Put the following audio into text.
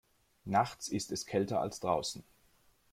Nachts ist es kälter als draußen.